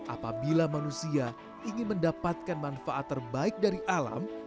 apabila manusia ingin mendapatkan manfaat terbaik dari alam